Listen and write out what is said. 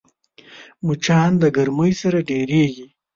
مچان د ګرمۍ سره ډېریږي